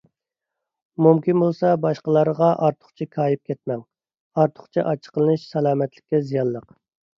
مۇمكىن بولسا باشقىلارغا ئارتۇقچە كايىپ كەتمەڭ. ئارتۇقچە ئاچچىقلىنىش سالامەتلىككە زىيانلىق.